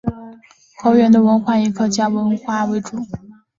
河源的文化以客家文化为主。